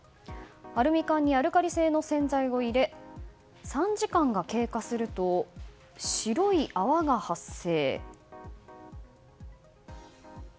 アルミ缶にアルカリ性の洗剤を入れ、３時間が経過すると白い泡が発生。